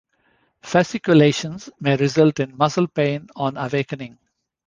Fasciculations may result in muscle pain on awakening.